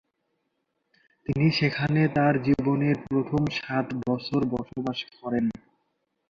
তিনি সেখানে তার জীবনের প্রথম সাত বছর বসবাস করেন।